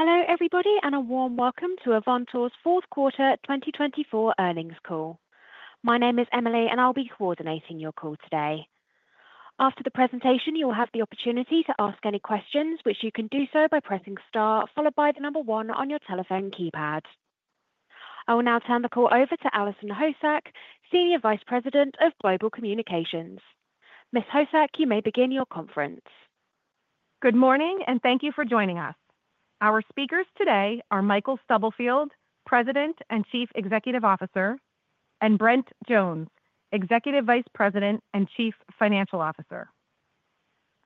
Hello, everybody, and a warm welcome to Avantor's Fourth Quarter 2024 Earnings Call. My name is Emily, and I'll be coordinating your call today. After the presentation, you will have the opportunity to ask any questions, which you can do so by pressing Star followed by the number one on your telephone keypad. I will now turn the call over to Allison Hosak, Senior Vice President of Global Communications. Ms. Hosak, you may begin your conference. Good morning, and thank you for joining us. Our speakers today are Michael Stubblefield, President and Chief Executive Officer, and Brent Jones, Executive Vice President and Chief Financial Officer.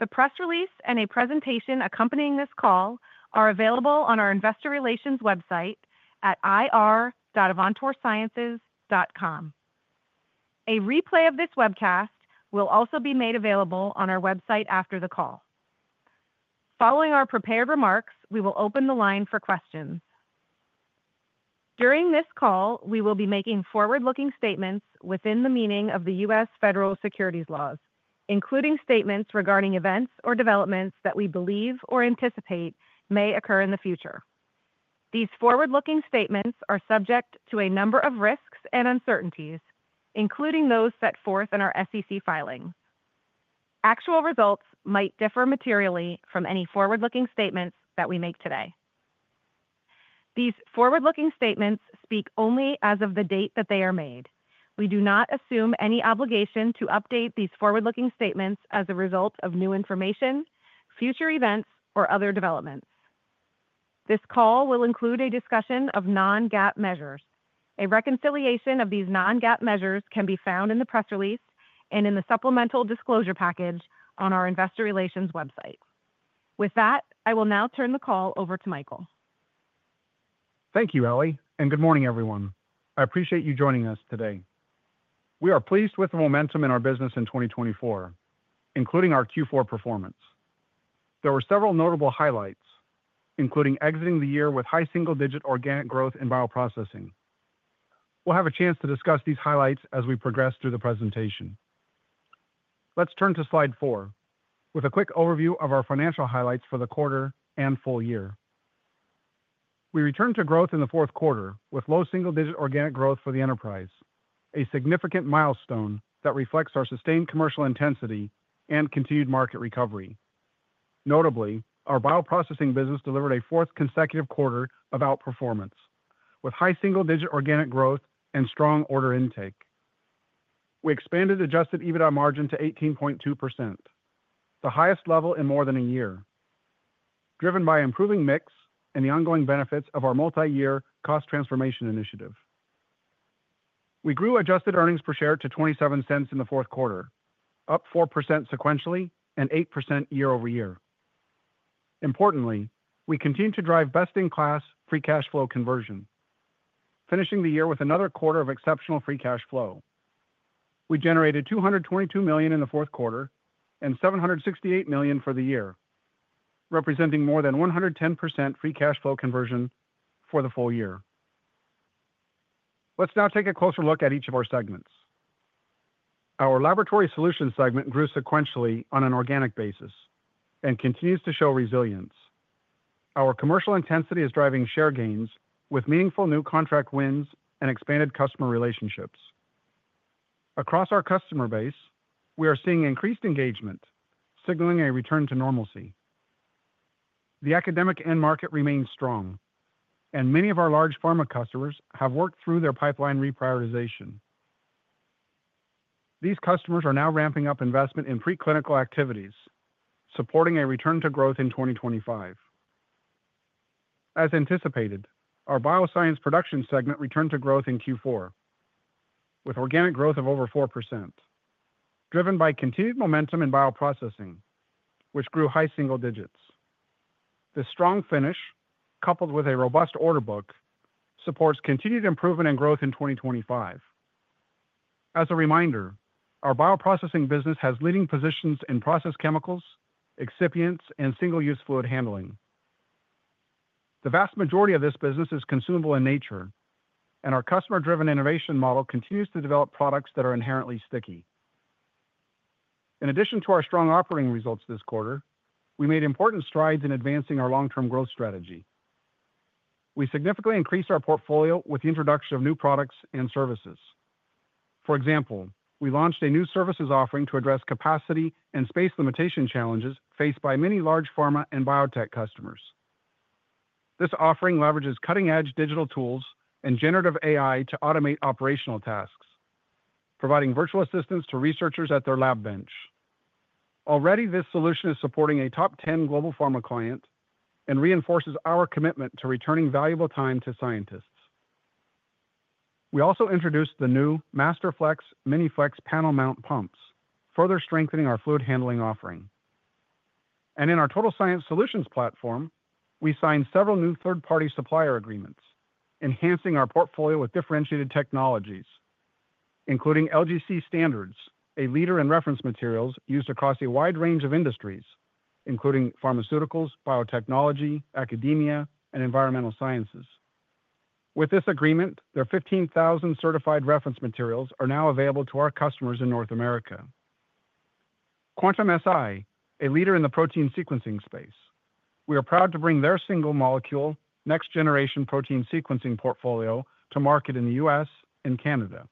The press release and a presentation accompanying this call are available on our investor relations website at ir.avantorsciences.com. A replay of this webcast will also be made available on our website after the call. Following our prepared remarks, we will open the line for questions. During this call, we will be making forward-looking statements within the meaning of the U.S. federal securities laws, including statements regarding events or developments that we believe or anticipate may occur in the future. These forward-looking statements are subject to a number of risks and uncertainties, including those set forth in our SEC filing. Actual results might differ materially from any forward-looking statements that we make today. These forward-looking statements speak only as of the date that they are made. We do not assume any obligation to update these forward-looking statements as a result of new information, future events, or other developments. This call will include a discussion of non-GAAP measures. A reconciliation of these non-GAAP measures can be found in the press release and in the supplemental disclosure package on our investor relations website. With that, I will now turn the call over to Michael. Thank you, Emily, and good morning, everyone. I appreciate you joining us today. We are pleased with the momentum in our business in 2024, including our fourth quarter performance. There were several notable highlights, including exiting the year with high single-digit organic growth in bioprocessing. We'll have a chance to discuss these highlights as we progress through the presentation. Let's turn to slide four, with a quick overview of our financial highlights for the quarter and full year. We returned to growth in the fourth quarter with low single-digit organic growth for the enterprise, a significant milestone that reflects our sustained commercial intensity and continued market recovery. Notably, our bioprocessing business delivered a fourth consecutive quarter of outperformance, with high single-digit organic growth and strong order intake. We expanded Adjusted EBITDA margin to 18.2%, the highest level in more than a year, driven by improving mix and the ongoing benefits of our multi-year cost transformation initiative. We grew Adjusted earnings per share to $0.27 in the fourth quarter, up 4% sequentially and 8% year over year. Importantly, we continue to drive best-in-class free cash flow conversion, finishing the year with another quarter of exceptional free cash flow. We generated $222 million in the fourth quarter and $768 million for the year, representing more than 110% free cash flow conversion for the full year. Let's now take a closer look at each of our segments. Our Laboratory Solutions segment grew sequentially on an organic basis and continues to show resilience. Our commercial intensity is driving share gains with meaningful new contract wins and expanded customer relationships. Across our customer base, we are seeing increased engagement, signaling a return to normalcy. The academic end market remains strong, and many of our large pharma customers have worked through their pipeline reprioritization. These customers are now ramping up investment in preclinical activities, supporting a return to growth in 2025. As anticipated, our Bioscience Production segment returned to growth in fourth quarter, with organic growth of over 4%, driven by continued momentum in bioprocessing, which grew high single digits. This strong finish, coupled with a robust order book, supports continued improvement and growth in 2025. As a reminder, our bioprocessing business has leading positions in process chemicals, excipients, and single-use fluid handling. The vast majority of this business is consumable in nature, and our customer-driven innovation model continues to develop products that are inherently sticky. In addition to our strong operating results this quarter, we made important strides in advancing our long-term growth strategy. We significantly increased our portfolio with the introduction of new products and services. For example, we launched a new services offering to address capacity and space limitation challenges faced by many large pharma and biotech customers. This offering leverages cutting-edge digital tools and generative AI to automate operational tasks, providing virtual assistance to researchers at their lab bench. Already, this solution is supporting a top 10 global pharma client and reinforces our commitment to returning valuable time to scientists. We also introduced the new Masterflex MiniFlex panel mount pumps, further strengthening our fluid handling offering. In our Total Science Solutions platform, we signed several new third-party supplier agreements, enhancing our portfolio with differentiated technologies, including LGC Standards, a leader in reference materials used across a wide range of industries, including pharmaceuticals, biotechnology, academia, and environmental sciences. With this agreement, there are 15,000 certified reference materials now available to our customers in North America. Quantum-Si, a leader in the protein sequencing space. We are proud to bring their single-molecule next-generation protein sequencing portfolio to market in the U.S. and Canada.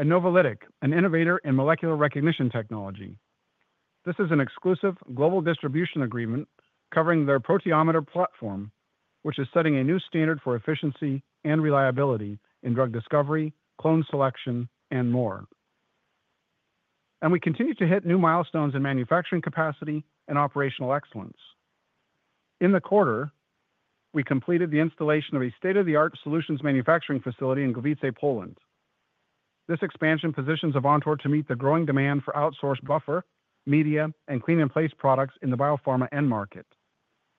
Novilytic, an innovator in molecular recognition technology. This is an exclusive global distribution agreement covering their Proteometer platform, which is setting a new standard for efficiency and reliability in drug discovery, clone selection, and more. We continue to hit new milestones in manufacturing capacity and operational excellence. In the quarter, we completed the installation of a state-of-the-art solutions manufacturing facility in Gliwice, Poland. This expansion positions Avantor to meet the growing demand for outsourced buffer, media, and clean-in-place products in the biopharma end market,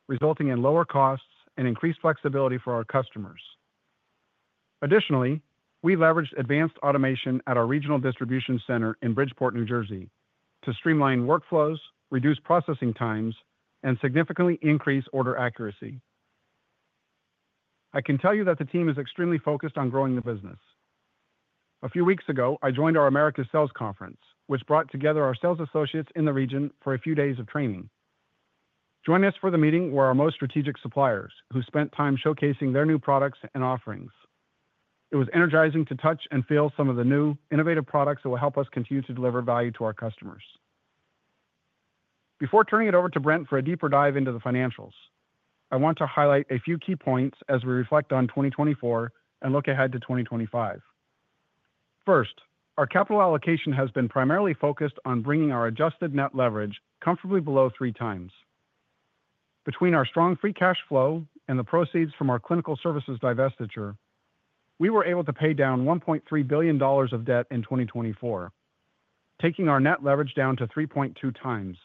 resulting in lower costs and increased flexibility for our customers. Additionally, we leveraged advanced automation at our regional distribution center in Bridgeport, New Jersey, to streamline workflows, reduce processing times, and significantly increase order accuracy. I can tell you that the team is extremely focused on growing the business. A few weeks ago, I joined our Americas Sales Conference, which brought together our sales associates in the region for a few days of training. Join us for the meeting where our most strategic suppliers, who spent time showcasing their new products and offerings. It was energizing to touch and feel some of the new, innovative products that will help us continue to deliver value to our customers. Before turning it over to Brent for a deeper dive into the financials, I want to highlight a few key points as we reflect on 2024 and look ahead to 2025. First, our capital allocation has been primarily focused on bringing our adjusted net leverage comfortably below three times. Between our strong free cash flow and the proceeds from our Clinical Services divestiture, we were able to pay down $1.3 billion of debt in 2024, taking our net leverage down to 3.2 times,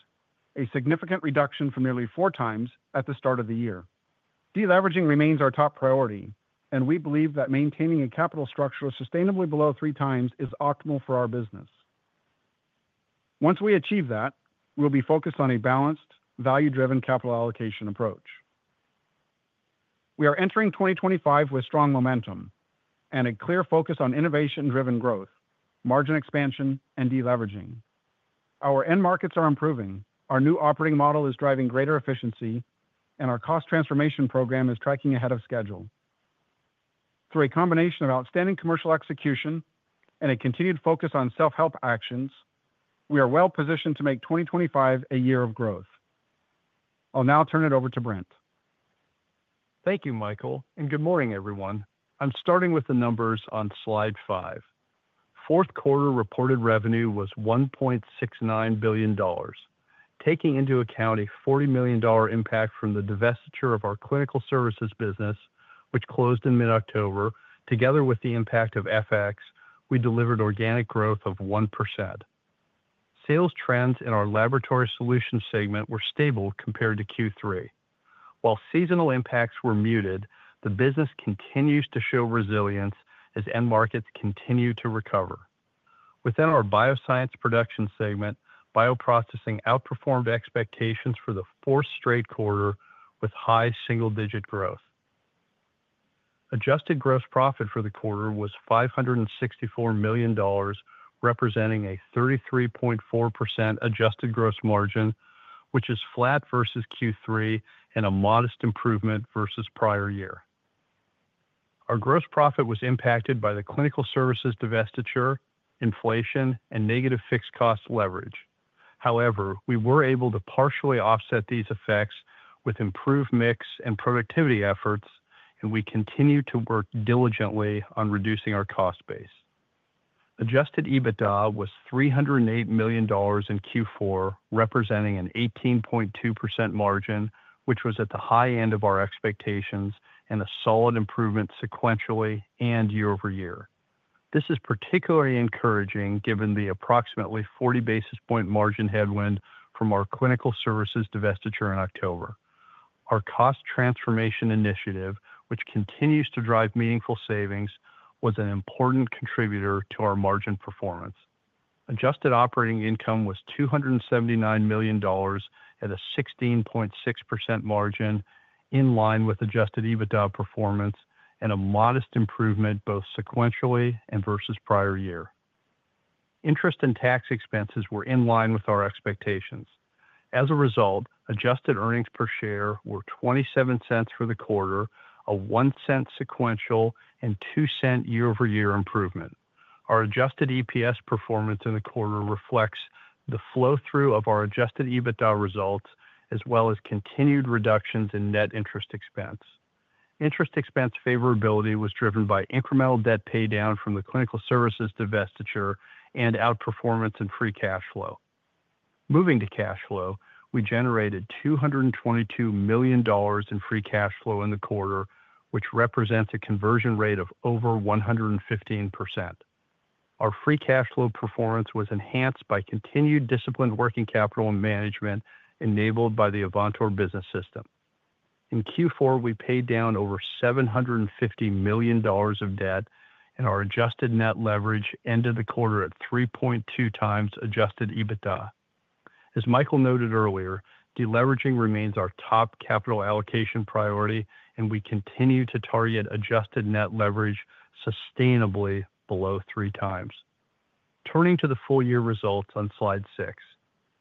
a significant reduction from nearly four times at the start of the year. Deleveraging remains our top priority, and we believe that maintaining a capital structure sustainably below three times is optimal for our business. Once we achieve that, we'll be focused on a balanced, value-driven capital allocation approach. We are entering 2025 with strong momentum and a clear focus on innovation-driven growth, margin expansion, and deleveraging. Our end markets are improving, our new operating model is driving greater efficiency, and our cost transformation program is tracking ahead of schedule. Through a combination of outstanding commercial execution and a continued focus on self-help actions, we are well positioned to make 2025 a year of growth. I'll now turn it over to Brent. Thank you, Michael, and good morning, everyone. I'm starting with the numbers on slide five. Fourth quarter reported revenue was $1.69 billion, taking into account a $40 million impact from the divestiture of our Clinical Services business, which closed in mid-October. Together with the impact of FX, we delivered organic growth of 1%. Sales trends in our Laboratory Solutions segment were stable compared to third quarter. While seasonal impacts were muted, the business continues to show resilience as end markets continue to recover. Within our Bioscience Production segment, bioprocessing outperformed expectations for the fourth straight quarter with high single-digit growth. Adjusted gross profit for the quarter was $564 million, representing a 33.4% adjusted gross margin, which is flat versus third quarter and a modest improvement versus prior year. Our gross profit was impacted by the Clinical Services divestiture, inflation, and negative fixed cost leverage. However, we were able to partially offset these effects with improved mix and productivity efforts, and we continue to work diligently on reducing our cost base. Adjusted EBITDA was $308 million in fourth quarter, representing an 18.2% margin, which was at the high end of our expectations and a solid improvement sequentially and year over year. This is particularly encouraging given the approximately 40 basis point margin headwind from our Clinical Services divestiture in October. Our cost transformation initiative, which continues to drive meaningful savings, was an important contributor to our margin performance. Adjusted operating income was $279 million at a 16.6% margin, in line with adjusted EBITDA performance and a modest improvement both sequentially and versus prior year. Interest and tax expenses were in line with our expectations. As a result, adjusted earnings per share were $0.27 for the quarter, a $0.01 sequential, and $0.02 year over year improvement. Our adjusted EPS performance in the quarter reflects the flow-through of our adjusted EBITDA results, as well as continued reductions in net interest expense. Interest expense favorability was driven by incremental debt paydown from the Clinical Services divestiture and outperformance in free cash flow. Moving to cash flow, we generated $222 million in free cash flow in the quarter, which represents a conversion rate of over 115%. Our free cash flow performance was enhanced by continued disciplined working capital and management enabled by the Avantor Business System. In fourth quarter, we paid down over $750 million of debt, and our adjusted net leverage ended the quarter at 3.2 times adjusted EBITDA. As Michael noted earlier, deleveraging remains our top capital allocation priority, and we continue to target adjusted net leverage sustainably below three times. Turning to the full year results on slide six,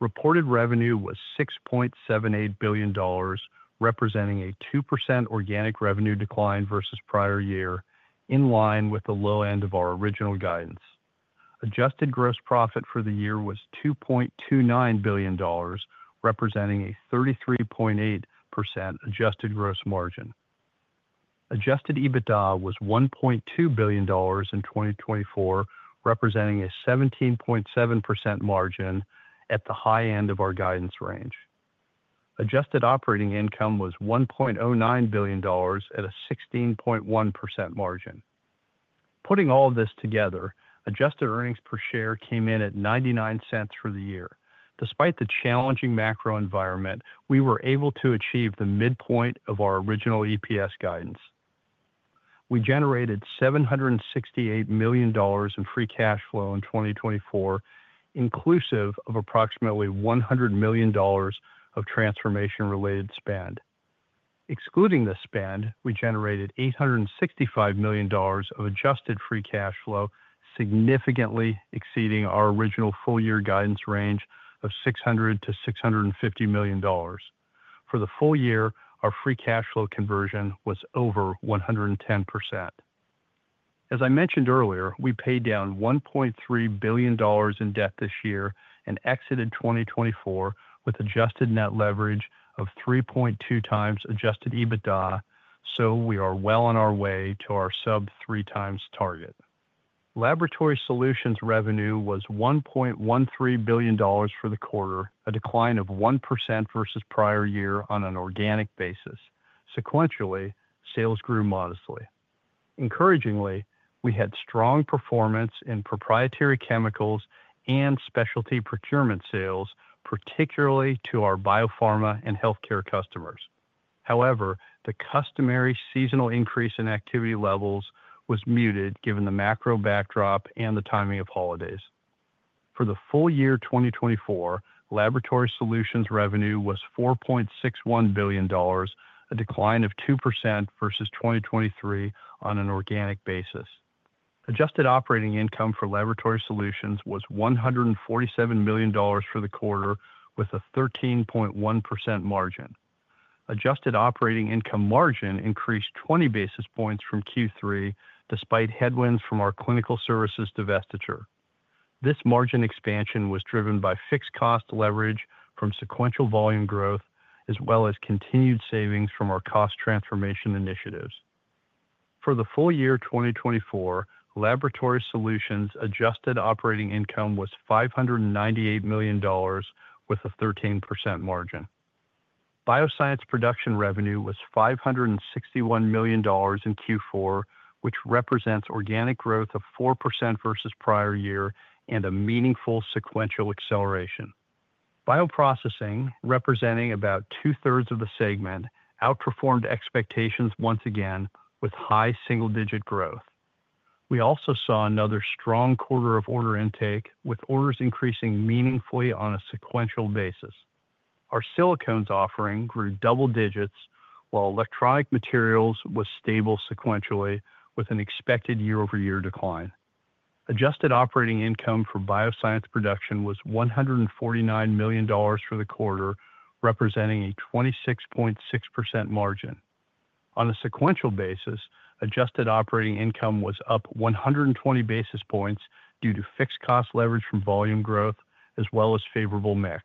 reported revenue was $6.78 billion, representing a 2% organic revenue decline versus prior year, in line with the low end of our original guidance. Adjusted gross profit for the year was $2.29 billion, representing a 33.8% adjusted gross margin. Adjusted EBITDA was $1.2 billion in 2024, representing a 17.7% margin at the high end of our guidance range. Adjusted operating income was $1.09 billion at a 16.1% margin. Putting all of this together, adjusted earnings per share came in at $0.99 for the year. Despite the challenging macro environment, we were able to achieve the midpoint of our original EPS guidance. We generated $768 million in free cash flow in 2024, inclusive of approximately $100 million of transformation-related spend. Excluding the spend, we generated $865 million of adjusted free cash flow, significantly exceeding our original full year guidance range of $600 million-$650 million. For the full year, our free cash flow conversion was over 110%. As I mentioned earlier, we paid down $1.3 billion in debt this year and exited 2024 with adjusted net leverage of 3.2 times Adjusted EBITDA, so we are well on our way to our sub-three times target. Laboratory Solutions revenue was $1.13 billion for the quarter, a decline of 1% versus prior year on an organic basis. Sequentially, sales grew modestly. Encouragingly, we had strong performance in proprietary chemicals and specialty procurement sales, particularly to our biopharma and healthcare customers. However, the customary seasonal increase in activity levels was muted given the macro backdrop and the timing of holidays. For the full year 2024, Laboratory Solutions revenue was $4.61 billion, a decline of 2% versus 2023 on an organic basis. Adjusted operating income for Laboratory Solutions was $147 million for the quarter, with a 13.1% margin. Adjusted operating income margin increased 20 basis points from third quarter, despite headwinds from our Clinical Services divestiture. This margin expansion was driven by fixed cost leverage from sequential volume growth, as well as continued savings from our cost transformation initiatives. For the full year 2024, Laboratory Solutions adjusted operating income was $598 million, with a 13% margin. Bioscience Production revenue was $561 million in fourth quarter, which represents organic growth of 4% versus prior year and a meaningful sequential acceleration. Bioprocessing, representing about two-thirds of the segment, outperformed expectations once again with high single-digit growth. We also saw another strong quarter of order intake, with orders increasing meaningfully on a sequential basis. Our silicones offering grew double digits, while electronic materials was stable sequentially, with an expected year-over-year decline. Adjusted operating income for Bioscience Production was $149 million for the quarter, representing a 26.6% margin. On a sequential basis, adjusted operating income was up 120 basis points due to fixed cost leverage from volume growth, as well as favorable mix.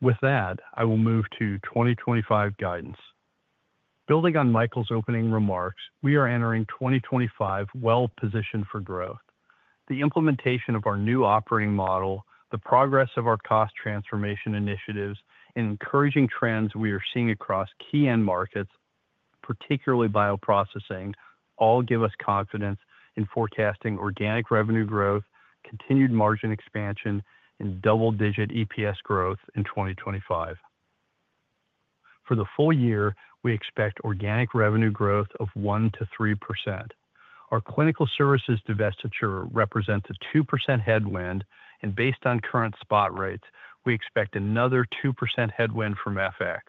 With that, I will move to 2025 guidance. Building on Michael's opening remarks, we are entering 2025 well positioned for growth. The implementation of our new operating model, the progress of our cost transformation initiatives, and encouraging trends we are seeing across key end markets, particularly bioprocessing, all give us confidence in forecasting organic revenue growth, continued margin expansion, and double-digit EPS growth in 2025. For the full year, we expect organic revenue growth of 1%-3%. Our Clinical Services divestiture represents a 2% headwind, and based on current spot rates, we expect another 2% headwind from FX.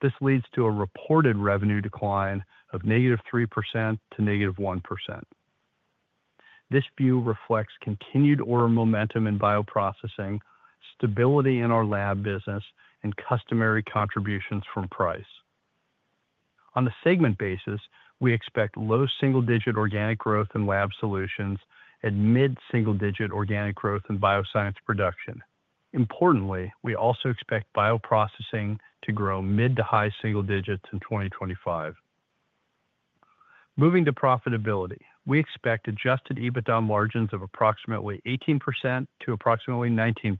This leads to a reported revenue decline of negative 3% to negative 1%. This view reflects continued order momentum in bioprocessing, stability in our lab business, and customary contributions from price. On a segment basis, we expect low single-digit organic growth in Lab Solutions and mid-single-digit organic growth in Bioscience Production. Importantly, we also expect bioprocessing to grow mid to high single digits in 2025. Moving to profitability, we expect Adjusted EBITDA margins of approximately 18% to approximately 19%,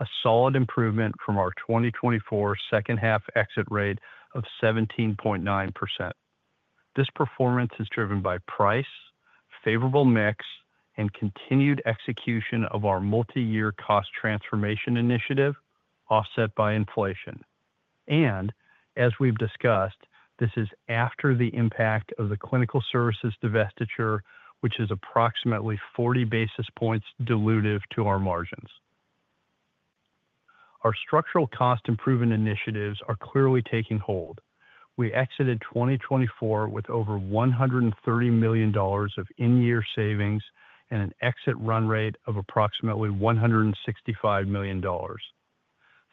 a solid improvement from our 2024 second-half exit rate of 17.9%. This performance is driven by price, favorable mix, and continued execution of our multi-year cost transformation initiative, offset by inflation. As we've discussed, this is after the impact of the Clinical Services divestiture, which is approximately 40 basis points dilutive to our margins. Our structural cost improvement initiatives are clearly taking hold. We exited 2024 with over $130 million of in-year savings and an exit run rate of approximately $165 million.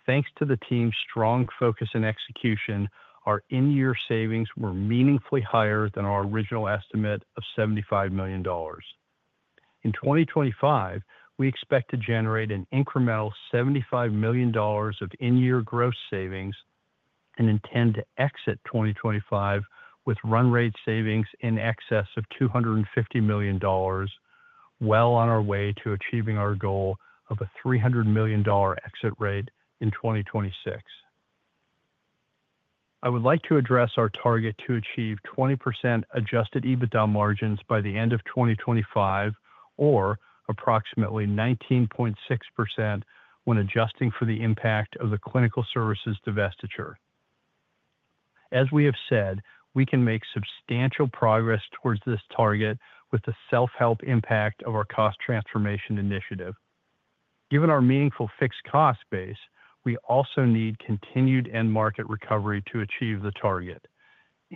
Thanks to the team's strong focus and execution, our in-year savings were meaningfully higher than our original estimate of $75 million. In 2025, we expect to generate an incremental $75 million of in-year gross savings and intend to exit 2025 with run rate savings in excess of $250 million, well on our way to achieving our goal of a $300 million exit rate in 2026. I would like to address our target to achieve 20% Adjusted EBITDA margins by the end of 2025, or approximately 19.6% when adjusting for the impact of the Clinical Services divestiture. As we have said, we can make substantial progress towards this target with the self-help impact of our cost transformation initiative. Given our meaningful fixed cost base, we also need continued end market recovery to achieve the target.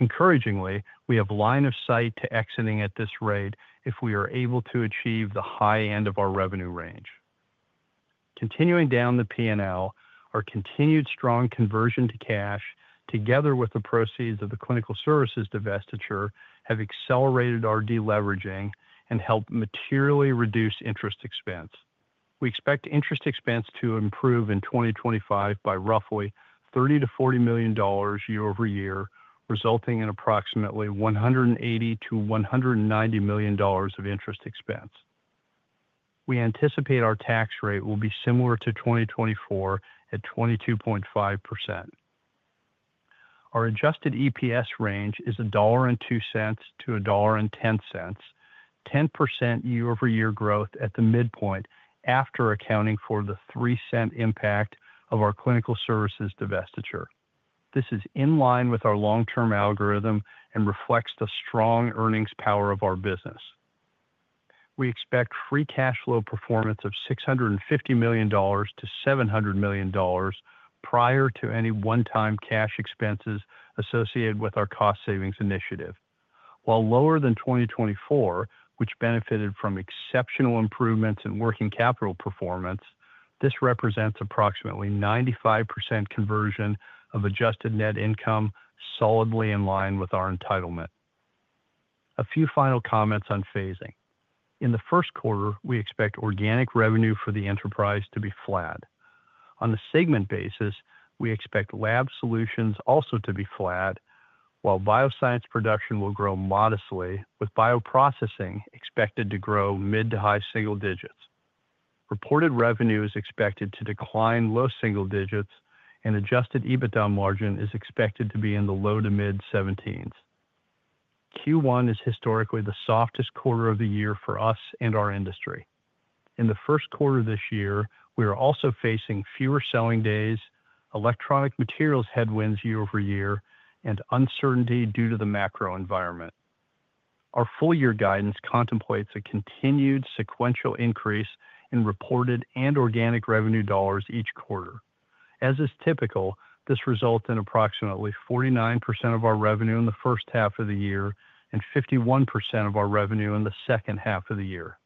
Encouragingly, we have line of sight to exiting at this rate if we are able to achieve the high end of our revenue range. Continuing down the P&L, our continued strong conversion to cash, together with the proceeds of the Clinical Services divestiture, have accelerated our deleveraging and helped materially reduce interest expense. We expect interest expense to improve in 2025 by roughly $30 million-$40 million year over year, resulting in approximately $180 million-$190 million of interest expense. We anticipate our tax rate will be similar to 2024 at 22.5%. Our adjusted EPS range is $1.02-$1.10, 10% year over year growth at the midpoint after accounting for the $0.03 impact of our Clinical Services divestiture. This is in line with our long-term algorithm and reflects the strong earnings power of our business. We expect free cash flow performance of $650 million-$700 million prior to any one-time cash expenses associated with our cost savings initiative. While lower than 2024, which benefited from exceptional improvements in working capital performance, this represents approximately 95% conversion of adjusted net income, solidly in line with our entitlement. A few final comments on phasing. In the first quarter, we expect organic revenue for the enterprise to be flat. On a segment basis, we expect Lab Solutions also to be flat, while Bioscience Production will grow modestly, with bioprocessing expected to grow mid to high single digits. Reported revenue is expected to decline low single digits, and Adjusted EBITDA margin is expected to be in the low to mid 17th. First quarter is historically the softest quarter of the year for us and our industry. In the first quarter of this year, we are also facing fewer selling days, electronic materials headwinds year over year, and uncertainty due to the macro environment. Our full year guidance contemplates a continued sequential increase in reported and organic revenue dollars each quarter. As is typical, this results in approximately 49% of our revenue in the first half of the year and 51% of our revenue in the second half of the year.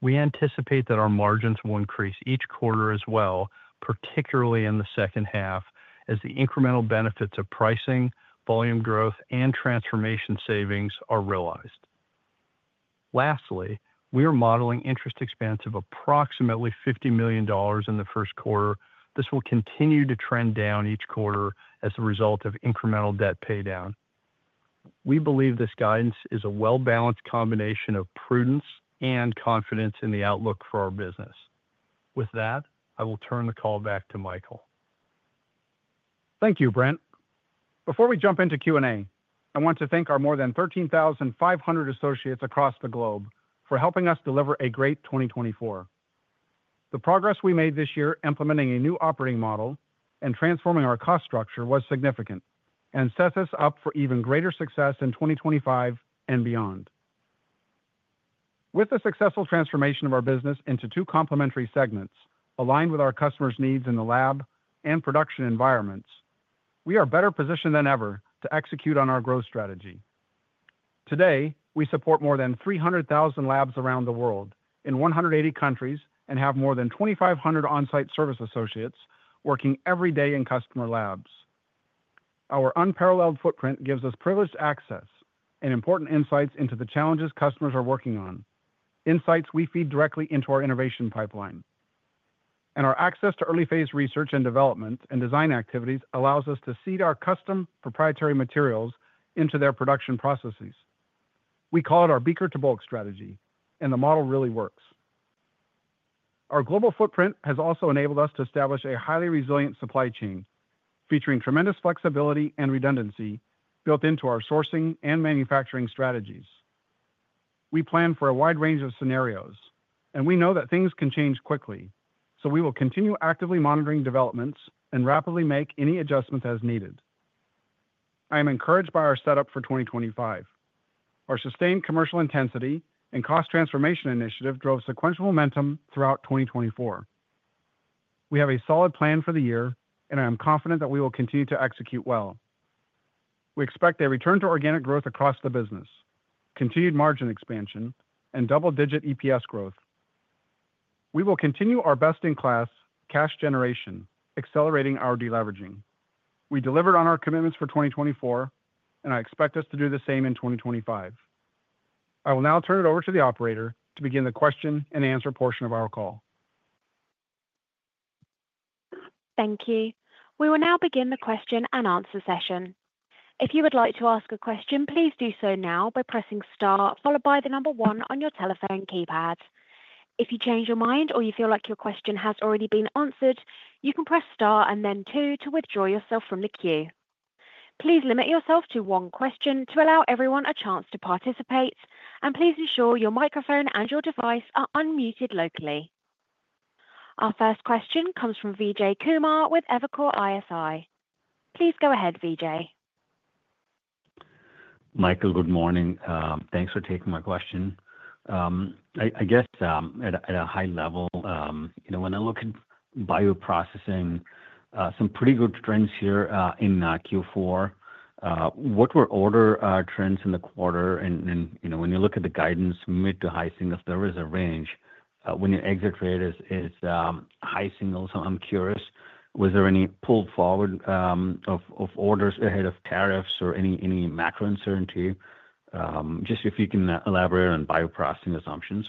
We anticipate that our margins will increase each quarter as well, particularly in the second half, as the incremental benefits of pricing, volume growth, and transformation savings are realized. Lastly, we are modeling interest expense of approximately $50 million in the first quarter. This will continue to trend down each quarter as a result of incremental debt paydown. We believe this guidance is a well-balanced combination of prudence and confidence in the outlook for our business. With that, I will turn the call back to Michael. Thank you, Brent. Before we jump into Q&A, I want to thank our more than 13,500 associates across the globe for helping us deliver a great 2024. The progress we made this year implementing a new operating model and transforming our cost structure was significant and sets us up for even greater success in 2025 and beyond. With the successful transformation of our business into two complementary segments, aligned with our customers' needs in the lab and production environments, we are better positioned than ever to execute on our growth strategy. Today, we support more than 300,000 labs around the world in 180 countries and have more than 2,500 on-site service associates working every day in customer labs. Our unparalleled footprint gives us privileged access and important insights into the challenges customers are working on, insights we feed directly into our innovation pipeline. And our access to early phase research and development and design activities allows us to seed our custom proprietary materials into their production processes. We call it our Bioscience Production strategy, and the model really works. Our global footprint has also enabled us to establish a highly resilient supply chain, featuring tremendous flexibility and redundancy built into our sourcing and manufacturing strategies. We plan for a wide range of scenarios, and we know that things can change quickly, so we will continue actively monitoring developments and rapidly make any adjustments as needed. I am encouraged by our setup for 2025. Our sustained commercial intensity and cost transformation initiative drove sequential momentum throughout 2024. We have a solid plan for the year, and I am confident that we will continue to execute well. We expect a return to organic growth across the business, continued margin expansion, and double-digit EPS growth. We will continue our best-in-class cash generation, accelerating our deleveraging. We delivered on our commitments for 2024, and I expect us to do the same in 2025. I will now turn it over to the operator to begin the question and answer portion of our call. Thank you. We will now begin the question and answer session. If you would like to ask a question, please do so now by pressing Star, followed by the number one on your telephone keypad. If you change your mind or you feel like your question has already been answered, you can press Star and then Two to withdraw yourself from the queue. Please limit yourself to one question to allow everyone a chance to participate, and please ensure your microphone and your device are unmuted locally. Our first question comes from Vijay Kumar with Evercore ISI. Please go ahead, Vijay. Michael, good morning. Thanks for taking my question. I guess at a high level, when I look at bioprocessing, some pretty good trends here in fourth quarter. What were order trends in the quarter? And when you look at the guidance, mid to high singles, there is a range. When your exit rate is high singles, I'm curious, was there any pull forward of orders ahead of tariffs or any macro uncertainty? Just if you can elaborate on bioprocessing assumptions.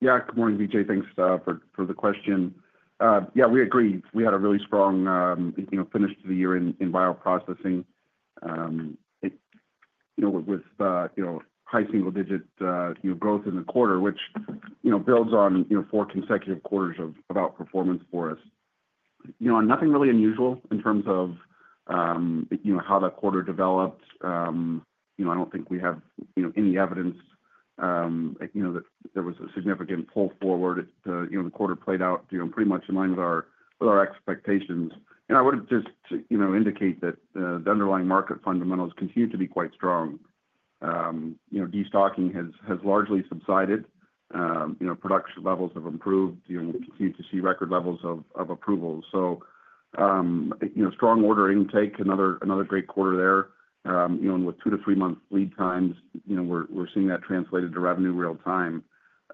Yeah, good morning, Vijay. Thanks for the question. Yeah, we agree. We had a really strong finish to the year in bioprocessing with high single-digit growth in the quarter, which builds on four consecutive quarters of about performance for us. Nothing really unusual in terms of how that quarter developed. I don't think we have any evidence that there was a significant pull forward. The quarter played out pretty much in line with our expectations. And I would just indicate that the underlying market fundamentals continue to be quite strong. Destocking has largely subsided. Production levels have improved. We continue to see record levels of approvals. So strong order intake, another great quarter there. With two- to three-month lead times, we're seeing that translated to revenue real-time.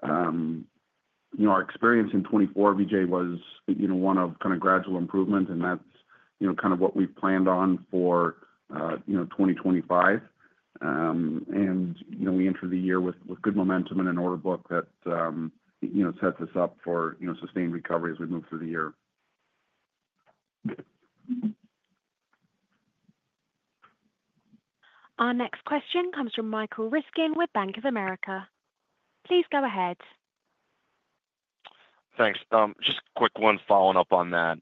Our experience in 2024, Vijay, was one of kind of gradual improvement, and that's kind of what we've planned on for 2025. And we entered the year with good momentum in an order book that sets us up for sustained recovery as we move through the year. Our next question comes from Michael Ryskin with Bank of America. Please go ahead. Thanks. Just quick one following up on that,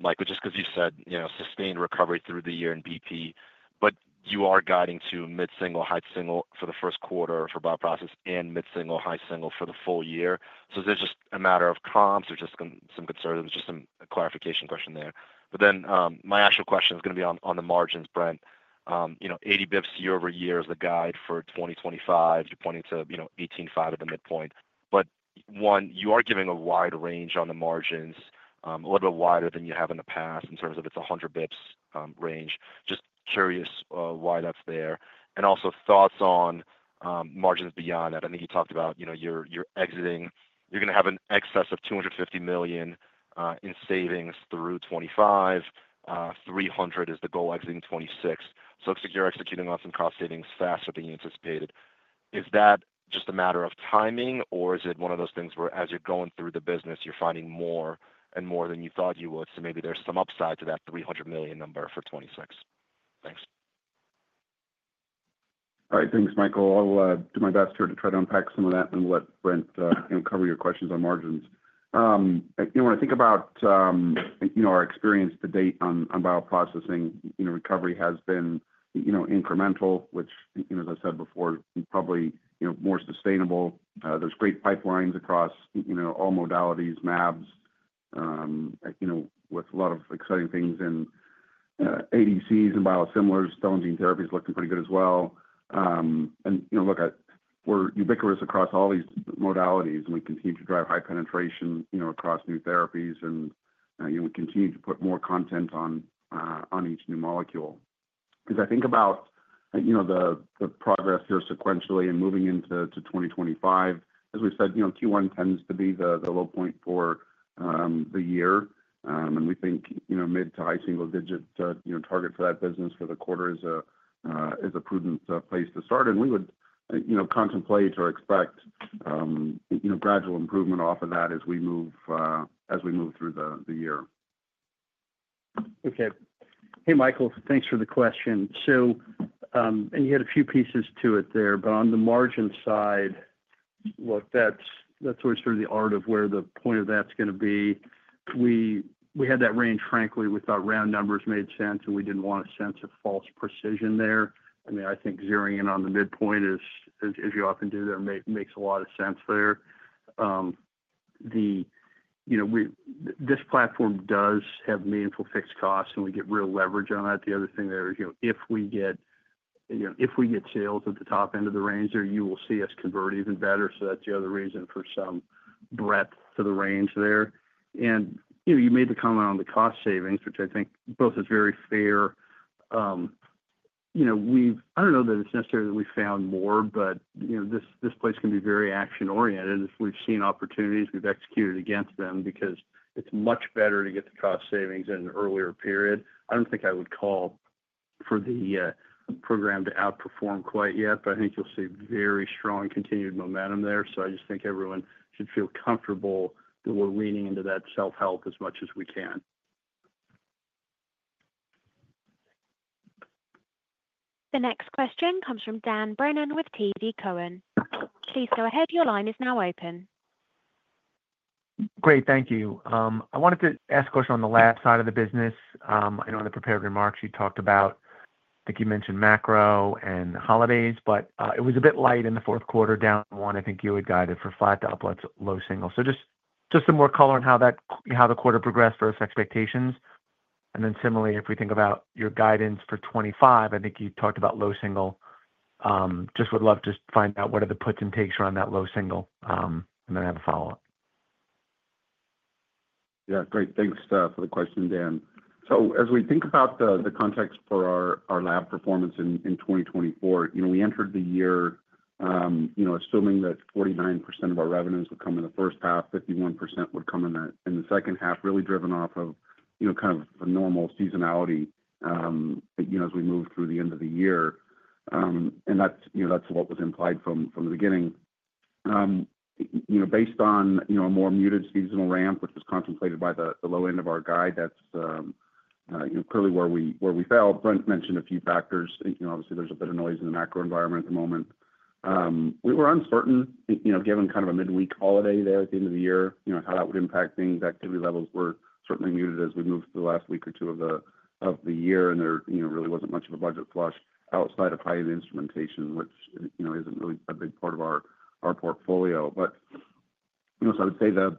Michael, just because you said sustained recovery through the year in BP, but you are guiding to mid-single, high single for the first quarter for bioprocess and mid-single, high single for the full year. So is it just a matter of comps or just some concerns? It was just a clarification question there. But then my actual question is going to be on the margins, Brent. 80 basis points year over year is the guide for 2025, pointing to 18.5 at the midpoint. But one, you are giving a wide range on the margins, a little bit wider than you have in the past in terms of it's a 100 basis points range. Just curious why that's there. And also thoughts on margins beyond that. I think you talked about you're exiting. You're going to have an excess of $250 million in savings through 2025. $300 million is the goal exiting 2026. So it looks like you're executing on some cost savings faster than you anticipated. Is that just a matter of timing, or is it one of those things where as you're going through the business, you're finding more and more than you thought you would? So maybe there's some upside to that $300 million number for 2026. Thanks. All right. Thanks, Michael. I'll do my best here to try to unpack some of that, and we'll let Brent cover your questions on margins. When I think about our experience to date on bioprocessing, recovery has been incremental, which, as I said before, probably more sustainable. There's great pipelines across all modalities, mAbs, with a lot of exciting things in ADCs and biosimilars. Cell and gene therapy is looking pretty good as well. And look, we're ubiquitous across all these modalities, and we continue to drive high penetration across new therapies, and we continue to put more content on each new molecule. Because I think about the progress here sequentially and moving into 2025, as we've said, first quarter tends to be the low point for the year. And we think mid- to high-single-digit target for that business for the quarter is a prudent place to start. And we would contemplate or expect gradual improvement off of that as we move through the year. Okay. Hey, Michael, thanks for the question. You had a few pieces to it there, but on the margin side, look, that's always sort of the art of where the point of that's going to be. We had that range, frankly, we thought round numbers made sense, and we didn't want a sense of false precision there. I mean, I think zeroing in on the midpoint, as you often do there, makes a lot of sense there. This platform does have meaningful fixed costs, and we get real leverage on that. The other thing there, if we get sales at the top end of the range there, you will see us convert even better. So that's the other reason for some breadth to the range there. And you made the comment on the cost savings, which I think both is very fair. I don't know that it's necessary that we found more, but this place can be very action-oriented. If we've seen opportunities, we've executed against them because it's much better to get the cost savings in an earlier period. I don't think I would call for the program to outperform quite yet, but I think you'll see very strong continued momentum there. So I just think everyone should feel comfortable that we're leaning into that self-help as much as we can. The next question comes from Dan Brennan with TD Cowen. Please go ahead. Your line is now open. Great. Thank you. I wanted to ask a question on the lab side of the business. I know in the prepared remarks you talked about. I think you mentioned macro and holidays, but it was a bit light in the fourth quarter, down 1%. I think you had guided for flat to low single. So just some more color on how the quarter progressed for expectations. And then similarly, if we think about your guidance for 2025, I think you talked about low single. Just would love to find out what are the puts and takes around that low single, and then I have a follow-up. Yeah. Great. Thanks for the question, Dan. As we think about the context for our lab performance in 2024, we entered the year assuming that 49% of our revenues would come in the first half, 51% would come in the second half, really driven off of kind of a normal seasonality as we move through the end of the year. That's what was implied from the beginning. Based on a more muted seasonal ramp, which was contemplated by the low end of our guide, that's clearly where we fell. Brent mentioned a few factors. Obviously, there's a bit of noise in the macro environment at the moment. We were uncertain, given kind of a midweek holiday there at the end of the year, how that would impact things. Activity levels were certainly muted as we moved through the last week or two of the year, and there really wasn't much of a budget flush outside of high-end instrumentation, which isn't really a big part of our portfolio. But so I would say the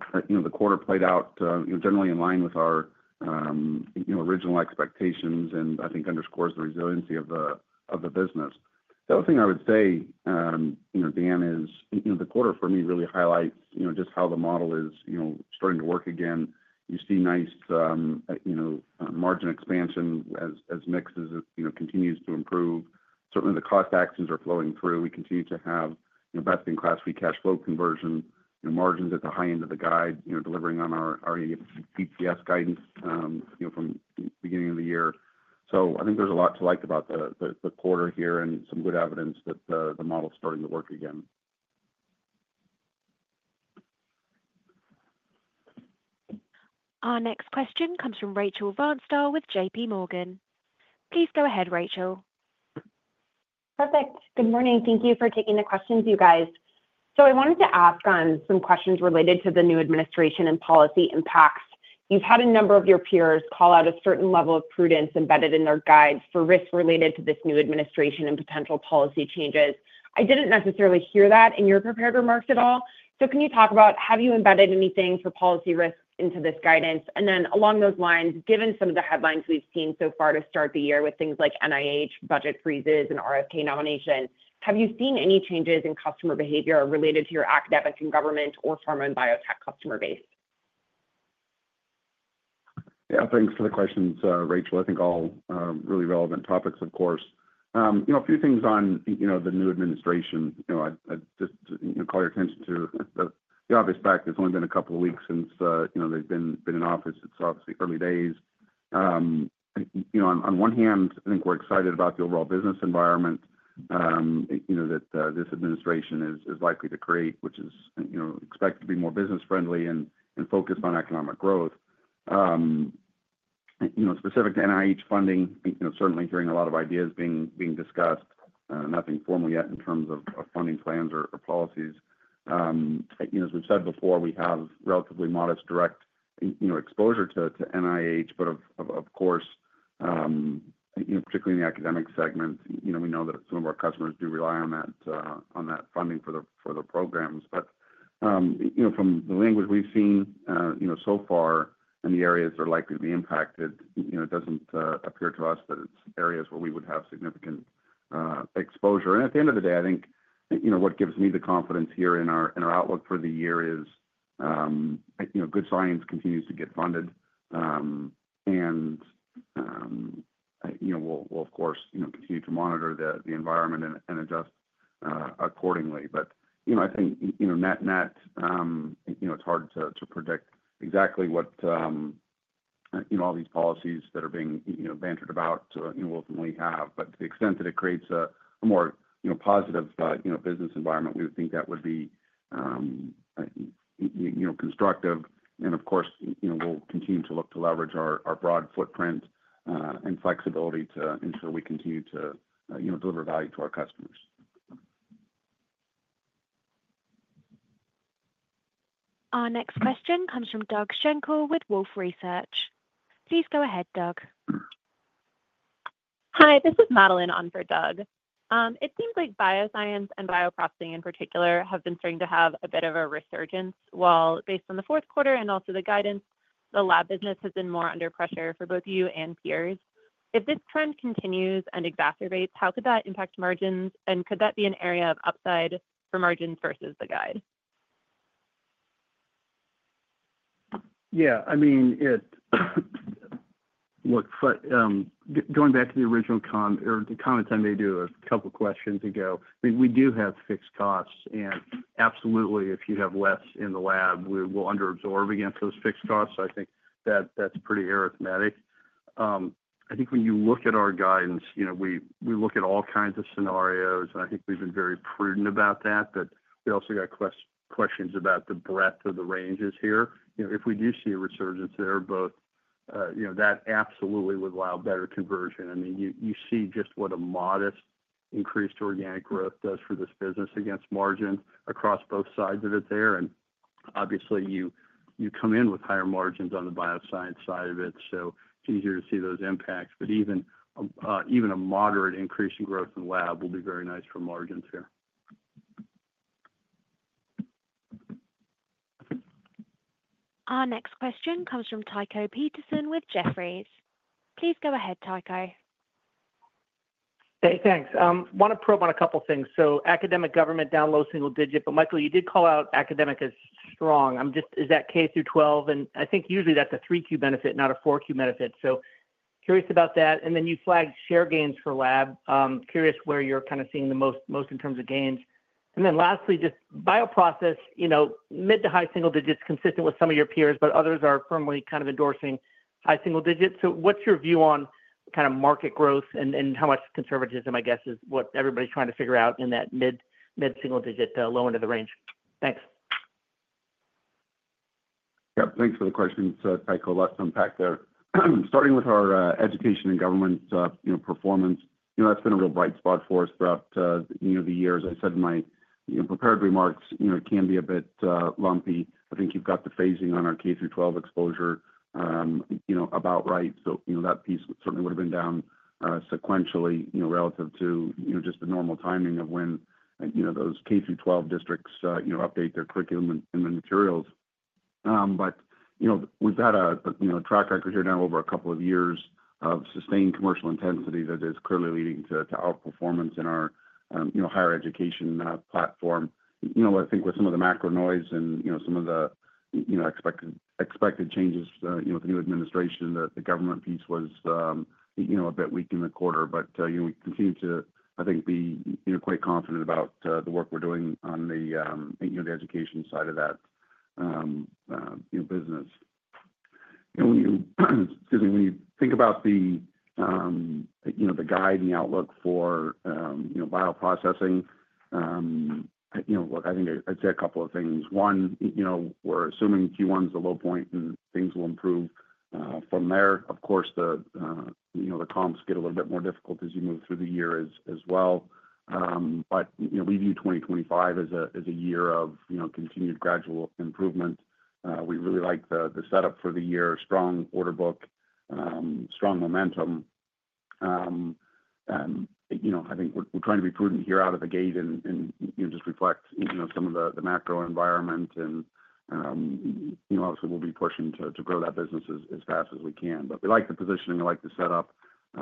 quarter played out generally in line with our original expectations and I think underscores the resiliency of the business. The other thing I would say, Dan, is the quarter for me really highlights just how the model is starting to work again. You see nice margin expansion as mix continues to improve. Certainly, the cost actions are flowing through. We continue to have best-in-class free cash flow conversion, margins at the high end of the guide, delivering on our EPS guidance from the beginning of the year. So I think there's a lot to like about the quarter here and some good evidence that the model is starting to work again. Our next question comes from Rachel Vatnsdal with J.P. Morgan. Please go ahead, Rachel. Perfect. Good morning. Thank you for taking the questions, you guys. So I wanted to ask some questions related to the new administration and policy impacts. You've had a number of your peers call out a certain level of prudence embedded in their guides for risks related to this new administration and potential policy changes. I didn't necessarily hear that in your prepared remarks at all. So can you talk about, have you embedded anything for policy risks into this guidance? And then along those lines, given some of the headlines we've seen so far to start the year with things like NIH budget freezes and RFK nomination, have you seen any changes in customer behavior related to your academic and government or pharma and biotech customer base? Yeah. Thanks for the questions, Rachel. I think all really relevant topics, of course. A few things on the new administration. I'd just call your attention to the obvious fact it's only been a couple of weeks since they've been in office. It's obviously early days. On one hand, I think we're excited about the overall business environment that this administration is likely to create, which is expected to be more business-friendly and focused on economic growth. Specific to NIH funding, certainly hearing a lot of ideas being discussed, nothing formal yet in terms of funding plans or policies. As we've said before, we have relatively modest direct exposure to NIH, but of course, particularly in the academic segment, we know that some of our customers do rely on that funding for their programs. But from the language we've seen so far and the areas that are likely to be impacted, it doesn't appear to us that it's areas where we would have significant exposure. And at the end of the day, I think what gives me the confidence here in our outlook for the year is good science continues to get funded. And we'll, of course, continue to monitor the environment and adjust accordingly. But I think net-net, it's hard to predict exactly what all these policies that are being bandied about will ultimately have. But to the extent that it creates a more positive business environment, we would think that would be constructive. And of course, we'll continue to look to leverage our broad footprint and flexibility to ensure we continue to deliver value to our customers. Our next question comes from Doug Schenkel with Wolfe Research. Please go ahead, Doug. Hi. This is Madeline on for Doug. It seems like bioscience and bioprocessing in particular have been starting to have a bit of a resurgence. While based on the fourth quarter and also the guidance, the lab business has been more under pressure for both you and peers. If this trend continues and exacerbates, how could that impact margins? And could that be an area of upside for margins versus the guide? Yeah. I mean, look, going back to the original comments I made to a couple of questions ago, I mean, we do have fixed costs. And absolutely, if you have less in the lab, we will underabsorb against those fixed costs. I think that that's pretty arithmetic. I think when you look at our guidance, we look at all kinds of scenarios, and I think we've been very prudent about that. But we also got questions about the breadth of the ranges here. If we do see a resurgence there, both that absolutely would allow better conversion. I mean, you see just what a modest increased organic growth does for this business against margins across both sides of it there. And obviously, you come in with higher margins on the bioscience side of it, so it's easier to see those impacts. But even a moderate increase in growth in the lab will be very nice for margins here. Our next question comes from Tycho Peterson with Jefferies. Please go ahead, Tycho. Hey, thanks. Want to probe on a couple of things. So academic government down low single digit, but Michael, you did call out academic as strong. Is that K-12? And I think usually that's a 3Q benefit, not a 4Q benefit. So curious about that. And then you flagged share gains for lab. Curious where you're kind of seeing the most in terms of gains. And then lastly, just bioprocess, mid to high single digits consistent with some of your peers, but others are firmly kind of endorsing high single digits. So what's your view on kind of market growth and how much conservatism, I guess, is what everybody's trying to figure out in that mid-single digit, the low end of the range? Thanks. Yep. Thanks for the questions, Tycho. Lots to unpack there. Starting with our education and government performance, that's been a real bright spot for us throughout the years. I said in my prepared remarks, it can be a bit lumpy. I think you've got the phasing on our K-12 exposure about right. So that piece certainly would have been down sequentially relative to just the normal timing of when those K-12 districts update their curriculum and the materials. But we've had a track record here now over a couple of years of sustained commercial intensity that is clearly leading to our performance in our higher education platform. I think with some of the macro noise and some of the expected changes with the new administration, the government piece was a bit weak in the quarter. But we continue to, I think, be quite confident about the work we're doing on the education side of that business. Excuse me. When you think about the guide and the outlook for bioprocessing, look, I think I'd say a couple of things. One, we're assuming first quarter is a low point and things will improve from there. Of course, the comps get a little bit more difficult as you move through the year as well. But we view 2025 as a year of continued gradual improvement. We really like the setup for the year, strong order book, strong momentum. I think we're trying to be prudent here out of the gate and just reflect some of the macro environment. And obviously, we'll be pushing to grow that business as fast as we can. But we like the positioning. I like the setup.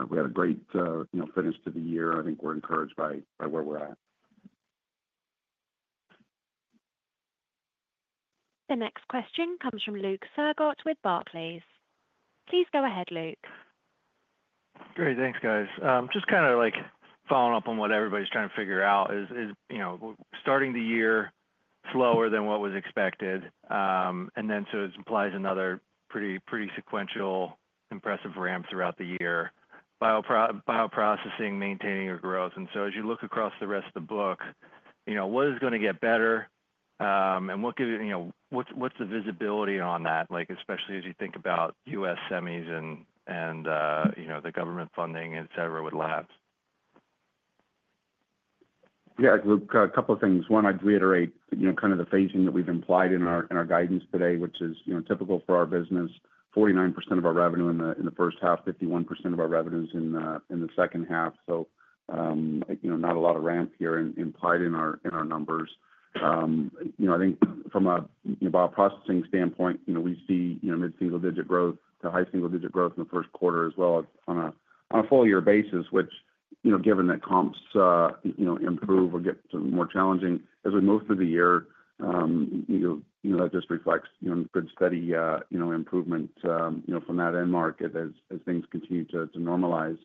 We had a great finish to the year. I think we're encouraged by where we're at. The next question comes from Luke Sergott with Barclays. Please go ahead, Luke. Great. Thanks, guys. Just kind of following up on what everybody's trying to figure out is starting the year slower than what was expected. And then so it implies another pretty sequential impressive ramp throughout the year, bioprocessing, maintaining your growth. And so as you look across the rest of the book, what is going to get better? And what's the visibility on that, especially as you think about U.S. semis and the government funding, etc., with labs? Yeah. A couple of things. One, I'd reiterate kind of the phasing that we've implied in our guidance today, which is typical for our business. 49% of our revenue in the first half, 51% of our revenues in the second half. So not a lot of ramp here implied in our numbers. I think from a bioprocessing standpoint, we see mid-single digit growth to high single digit growth in the first quarter as well on a full-year basis, which given that comps improve or get more challenging as we move through the year, that just reflects good steady improvement from that end market as things continue to normalize.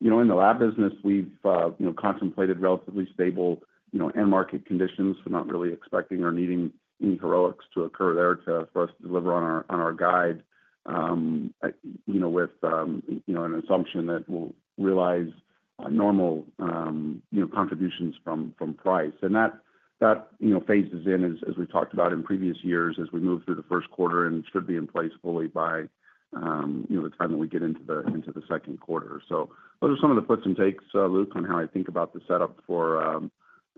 In the lab business, we've contemplated relatively stable end market conditions, not really expecting or needing any heroics to occur there for us to deliver on our guide with an assumption that we'll realize normal contributions from price, and that phases in, as we talked about in previous years, as we move through the first quarter and should be in place fully by the time that we get into the second quarter, so those are some of the puts and takes, Luke, on how I think about the setup for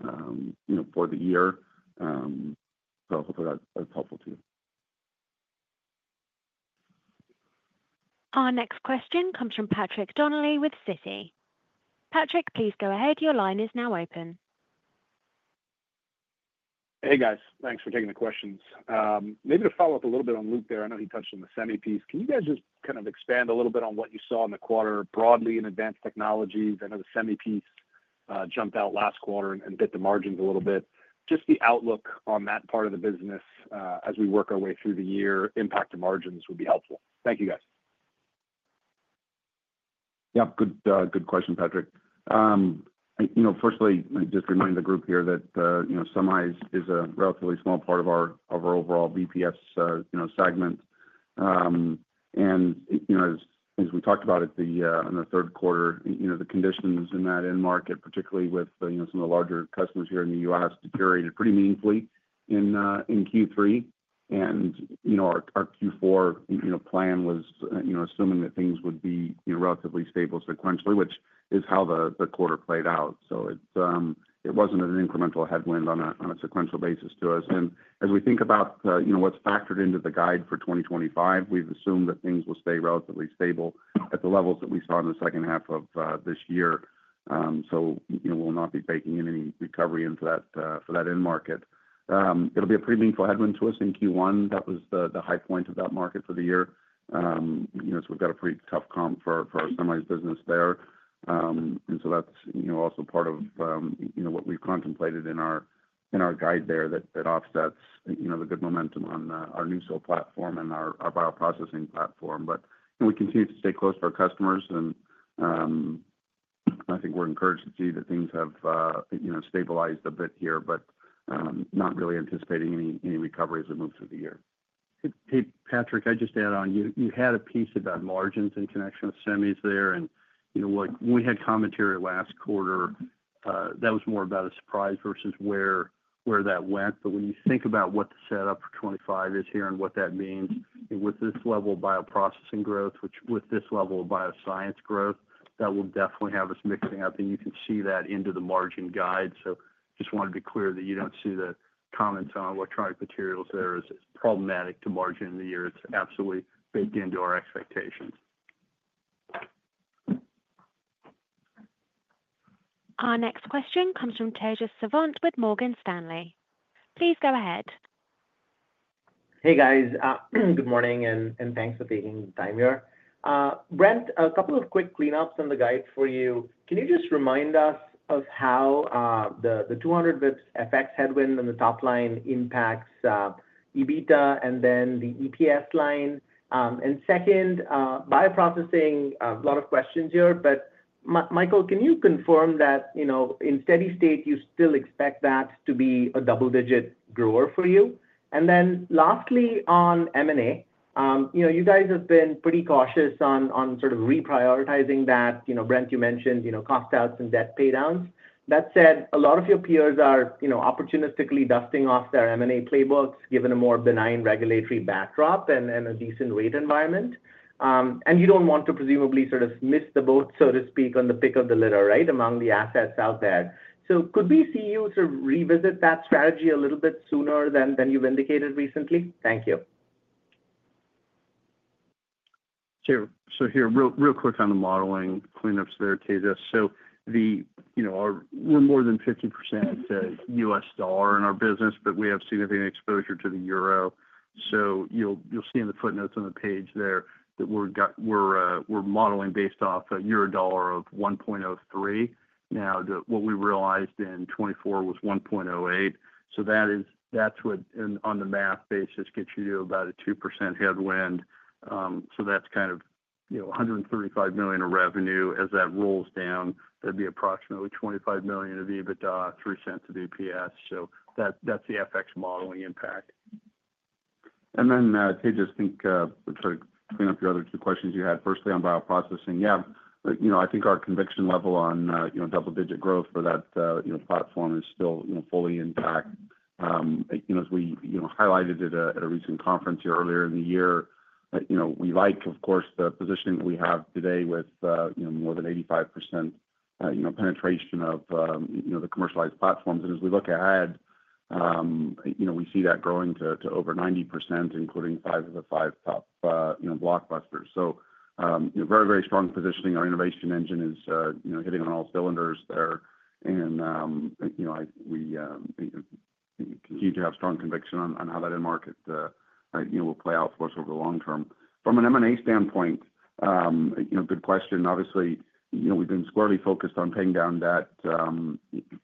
the year. So hopefully that's helpful to you. Our next question comes from Patrick Donnelly with Citi. Patrick, please go ahead. Your line is now open. Hey, guys. Thanks for taking the questions. Maybe to follow up a little bit on Luke there, I know he touched on the semi piece. Can you guys just kind of expand a little bit on what you saw in the quarter broadly in advanced technologies? I know the semi piece jumped out last quarter and bit the margins a little bit. Just the outlook on that part of the business as we work our way through the year, impact to margins would be helpful. Thank you, guys. Yep. Good question, Patrick. Firstly, just remind the group here that semis is a relatively small part of our overall BPS segment. And as we talked about it in the third quarter, the conditions in that end market, particularly with some of the larger customers here in the U.S., deteriorated pretty meaningfully in third quarter. And our fourth quarter plan was assuming that things would be relatively stable sequentially, which is how the quarter played out. So it wasn't an incremental headwind on a sequential basis to us. And as we think about what's factored into the guide for 2025, we've assumed that things will stay relatively stable at the levels that we saw in the second half of this year. So we'll not be baking in any recovery into that end market. It'll be a pretty meaningful headwind to us in first quarter. That was the high point of that market for the year. So we've got a pretty tough comp for our semis business there. That's also part of what we've contemplated in our guide there that offsets the good momentum on our NuSil platform and our bioprocessing platform. But we continue to stay close to our customers. I think we're encouraged to see that things have stabilized a bit here, but not really anticipating any recovery as we move through the year. Hey, Patrick, I just add on. You had a piece about margins in connection with semis there. When we had commentary last quarter, that was more about a surprise versus where that went. But when you think about what the setup for 2025 is here and what that means, with this level of bioprocessing growth, with this level of bioscience growth, that will definitely have us mixing up. You can see that into the margin guide. So just wanted to be clear that you don't see the comments on electronic materials there as problematic to margin in the year. It's absolutely baked into our expectations. Our next question comes from Tejas Savant with Morgan Stanley. Please go ahead. Hey, guys. Good morning. And thanks for taking the time here. Brent, a couple of quick cleanups on the guide for you. Can you just remind us of how the 200 basis points FX headwind in the top line impacts EBITDA and then the EPS line? And second, bioprocessing, a lot of questions here. But Michael, can you confirm that in steady state, you still expect that to be a double-digit grower for you? And then lastly, on M&A, you guys have been pretty cautious on sort of reprioritizing that. Brent, you mentioned cost-outs and debt paydowns. That said, a lot of your peers are opportunistically dusting off their M&A playbooks given a more benign regulatory backdrop and a decent rate environment. And you don't want to presumably sort of miss the boat, so to speak, on the pick of the litter among the assets out there. So could we see you sort of revisit that strategy a little bit sooner than you've indicated recently? Thank you. So here, real quick on the modeling cleanups there, Tejas. So we're more than 50% U.S. dollar in our business, but we have significant exposure to the euro. So you'll see in the footnotes on the page there that we're modeling based off a euro/dollar of 1.03. Now, what we realized in 2024 was 1.08. So that's what, on the math basis, gets you to about a 2% headwind. So that's kind of $135 million of revenue. As that rolls down, that'd be approximately 25 million of EBITDA, 3 cents of EPS. So that's the FX modeling impact. And then Tejas, I think to sort of clean up your other two questions you had, firstly on bioprocessing, yeah, I think our conviction level on double-digit growth for that platform is still fully intact. As we highlighted at a recent conference here earlier in the year, we like, of course, the positioning that we have today with more than 85% penetration of the commercialized platforms. And as we look ahead, we see that growing to over 90%, including five of the five top blockbusters. So very, very strong positioning. Our innovation engine is hitting on all cylinders there. And we continue to have strong conviction on how that end market will play out for us over the long term. From an M&A standpoint, good question. Obviously, we've been squarely focused on paying down debt.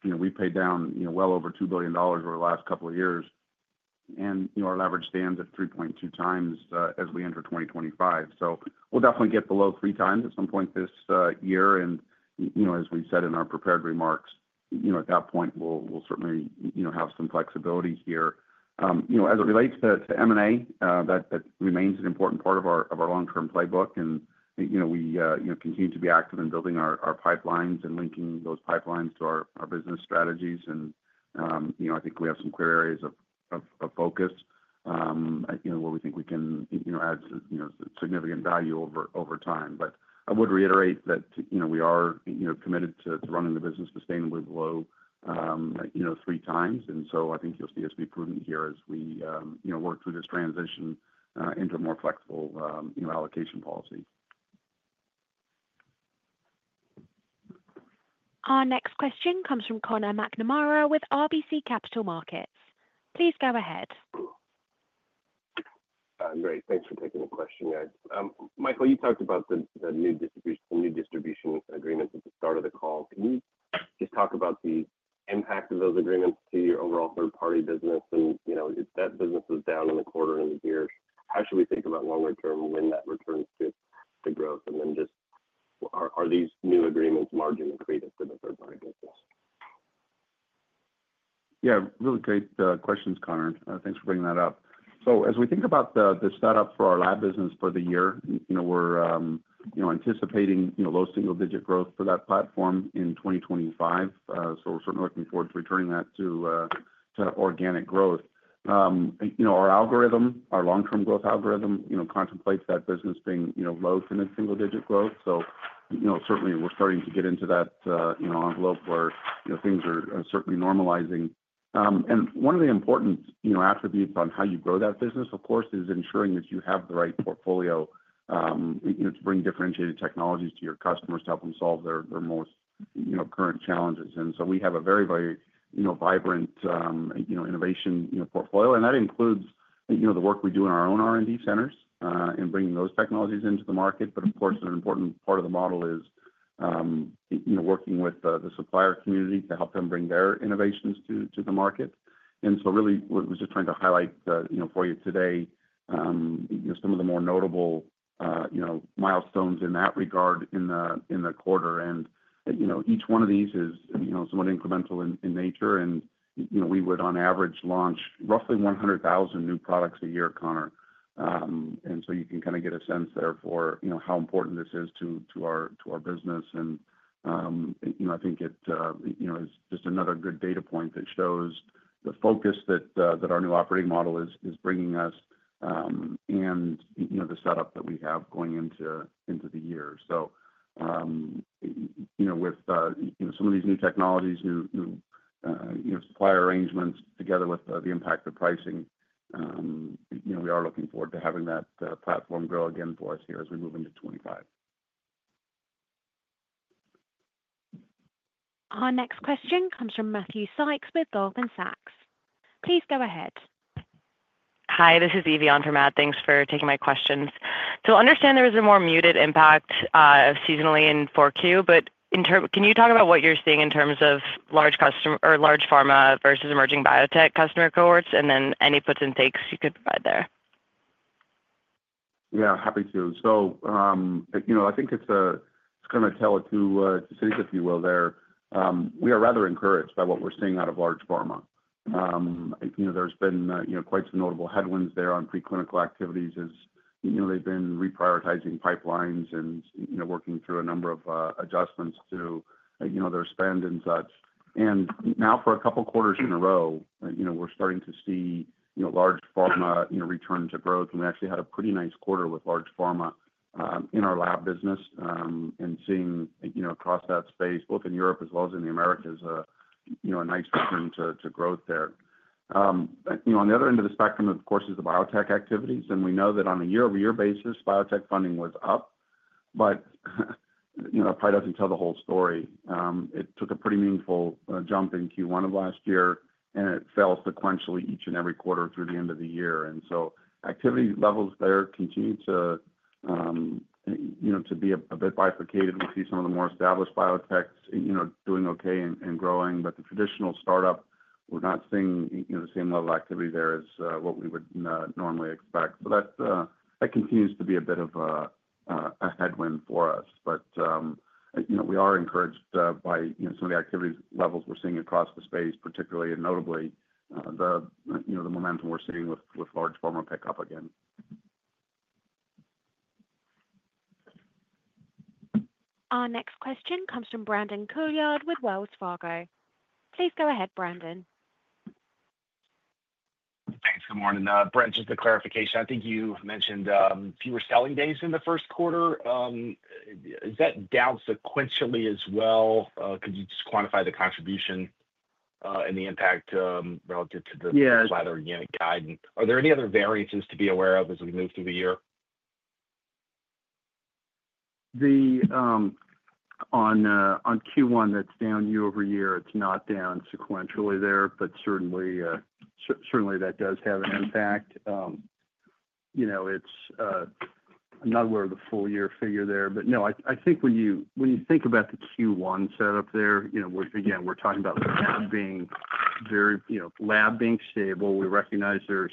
We've paid down well over $2 billion over the last couple of years. And our leverage stands at 3.2 times as we enter 2025. So we'll definitely get below three times at some point this year. And as we said in our prepared remarks, at that point, we'll certainly have some flexibility here. As it relates to M&A, that remains an important part of our long-term playbook. And we continue to be active in building our pipelines and linking those pipelines to our business strategies. And I think we have some clear areas of focus where we think we can add significant value over time. But I would reiterate that we are committed to running the business sustainably below three times. And so I think you'll see us be prudent here as we work through this transition into a more flexible allocation policy. Our next question comes from Connor McNamara with RBC Capital Markets. Please go ahead. Great. Thanks for taking the question, guys. Michael, you talked about the new distribution agreements at the start of the call. Can you just talk about the impact of those agreements to your overall third-party business? And if that business is down in the quarter and the year, how should we think about longer term when that returns to the growth? And then just are these new agreements marginally accretive to the third-party business? Yeah. Really great questions, Connor. Thanks for bringing that up. So as we think about the setup for our lab business for the year, we're anticipating low single-digit growth for that platform in 2025. So we're certainly looking forward to returning that to organic growth. Our algorithm, our long-term growth algorithm, contemplates that business being low to mid-single digit growth. So certainly, we're starting to get into that envelope where things are certainly normalizing. And one of the important attributes on how you grow that business, of course, is ensuring that you have the right portfolio to bring differentiated technologies to your customers to help them solve their most current challenges. And so we have a very, very vibrant innovation portfolio. And that includes the work we do in our own R&D centers and bringing those technologies into the market. But of course, an important part of the model is working with the supplier community to help them bring their innovations to the market. And so really, we're just trying to highlight for you today some of the more notable milestones in that regard in the quarter. And each one of these is somewhat incremental in nature. And we would, on average, launch roughly 100,000 new products a year, Connor. And so you can kind of get a sense there for how important this is to our business. And I think it is just another good data point that shows the focus that our new operating model is bringing us and the setup that we have going into the year. So with some of these new technologies, new supplier arrangements together with the impact of pricing, we are looking forward to having that platform grow again for us here as we move into 2025. Our next question comes from Matthew Sykes with Goldman Sachs. Please go ahead. Hi. This is Evie on for Matt. Thanks for taking my questions. So understand there is a more muted impact seasonally in 4Q. But can you talk about what you're seeing in terms of large pharma versus emerging biotech customer cohorts? And then any puts and takes you could provide there. Yeah. Happy to. So I think it's going to be a tale of two cities, if you will, there. We are rather encouraged by what we're seeing out of large pharma. There's been quite some notable headwinds there on preclinical activities as they've been reprioritizing pipelines and working through a number of adjustments to their spend and such. And now for a couple of quarters in a row, we're starting to see large pharma return to growth. And we actually had a pretty nice quarter with large pharma in our lab business and seeing across that space, both in Europe as well as in the Americas, a nice return to growth there. On the other end of the spectrum, of course, is the biotech activities. And we know that on a year-over-year basis, biotech funding was up. But that probably doesn't tell the whole story. It took a pretty meaningful jump in first quarter of last year, and it fell sequentially each and every quarter through the end of the year. And so activity levels there continue to be a bit bifurcated. We see some of the more established biotechs doing okay and growing. But the traditional startup, we're not seeing the same level of activity there as what we would normally expect. So that continues to be a bit of a headwind for us. But we are encouraged by some of the activity levels we're seeing across the space, particularly and notably the momentum we're seeing with large pharma pickup again. Our next question comes from Brandon Couillard with Wells Fargo. Please go ahead, Brandon. Thanks. Good morning. Brent, just a clarification. I think you mentioned fewer selling days in the first quarter. Is that down sequentially as well? Could you just quantify the contribution and the impact relative to the latter organic guide? And are there any other variances to be aware of as we move through the year? On first quarter, that's down year-over-year. It's not down sequentially there. But certainly, that does have an impact. I'm not aware of the full year figure there. But no, I think when you think about the first quarter setup there, again, we're talking about lab being stable. We recognize there's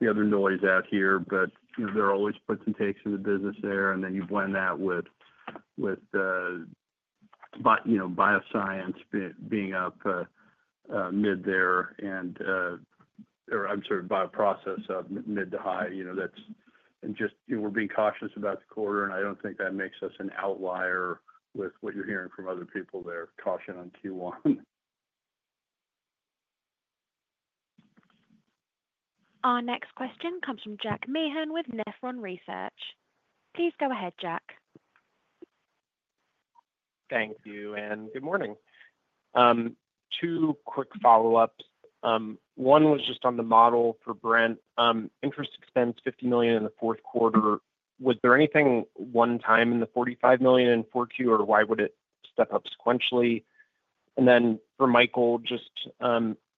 the other noise out here, but there are always puts and takes in the business there. And then you blend that with bioscience being up mid there and, I'm sorry, bioprocess mid to high. And just we're being cautious about the quarter. And I don't think that makes us an outlier with what you're hearing from other people there. Caution on first quarter. Our next question comes from Jack Meehan with Nephron Research. Please go ahead, Jack. Thank you. And good morning. Two quick follow-ups. One was just on the model for Brent. Interest expense $50 million in the fourth quarter. Was there anything one time in the $45 million in 4Q, or why would it step up sequentially? And then for Michael, just